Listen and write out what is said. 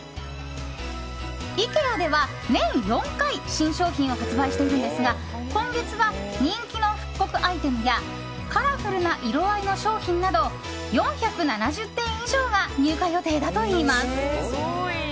イケアでは年４回新商品を発売しているんですが今月は人気の復刻アイテムやカラフルな色合いの商品など４７０点以上が入荷予定だといいます。